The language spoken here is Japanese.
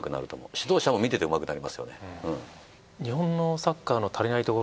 指導者も見ててうまくなりますよね。